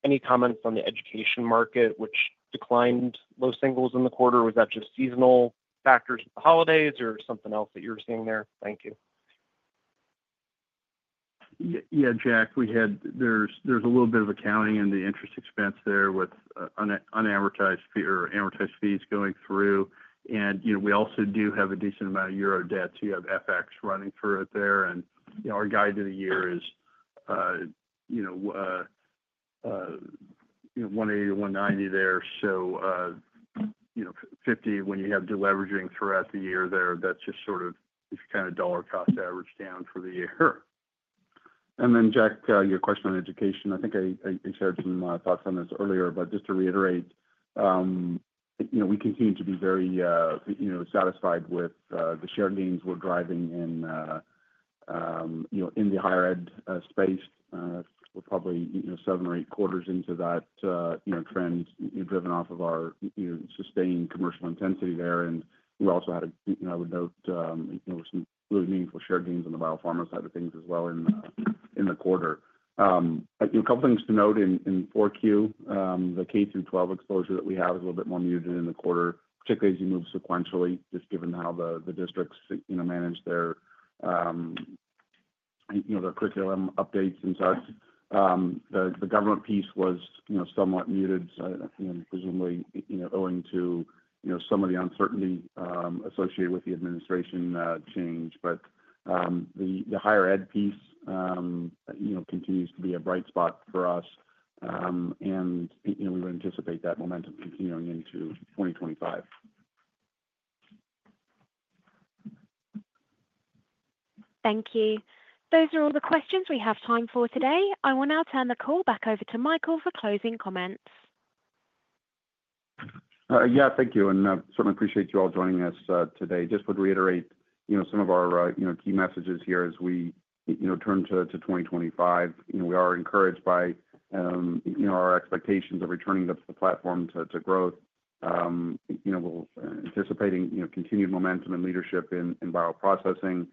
any comments on the education market, which declined low single digits in the quarter? Was that just seasonal factors with the holidays or something else that you were seeing there? Thank you. Yeah, Jack, there's a little bit of accounting in the interest expense there with unamortized fees going through. And we also do have a decent amount of euro debt. So you have FX running through it there. And our guide to the year is 180-190 there. So 50, when you have deleveraging throughout the year there, that's just sort of kind of dollar-cost averaged down for the year. And then, Jack, your question on education. I think I shared some thoughts on this earlier. But just to reiterate, we continue to be very satisfied with the share gains we're driving in the higher ed space. We're probably seven or eight quarters into that trend driven off of our sustained commercial intensity there. And we also had a, I would note, some really meaningful share gains on the biopharma side of things as well in the quarter. A couple of things to note in 4Q. The K-12 exposure that we have is a little bit more muted in the quarter, particularly as you move sequentially, just given how the districts manage their curriculum updates and such. The government piece was somewhat muted, presumably owing to some of the uncertainty associated with the administration change. But the higher ed piece continues to be a bright spot for us. And we would anticipate that momentum continuing into 2025. Thank you. Those are all the questions we have time for today. I will now turn the call back over to Michael for closing comments. Yeah. Thank you. And certainly appreciate you all joining us today. Just would reiterate some of our key messages here as we turn to 2025. We are encouraged by our expectations of returning the platform to growth. We're anticipating continued momentum in leadership in bioprocessing,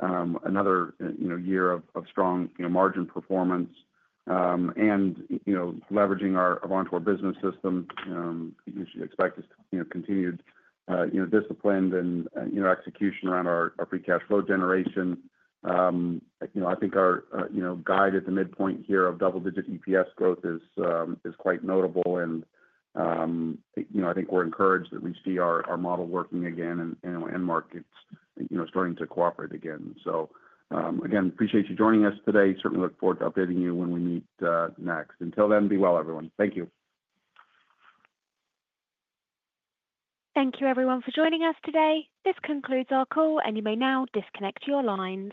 another year of strong margin performance, and leveraging our Avantor Business System. You should expect continued discipline and execution around our free cash flow generation. I think our guide at the midpoint here of double-digit EPS growth is quite notable, and I think we're encouraged that we see our model working again and markets starting to cooperate again. So again, appreciate you joining us today. Certainly look forward to updating you when we meet next. Until then, be well, everyone. Thank you. Thank you, everyone, for joining us today. This concludes our call, and you may now disconnect your lines.